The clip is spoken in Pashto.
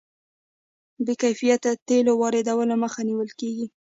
د بې کیفیته تیلو واردولو مخه نیول کیږي.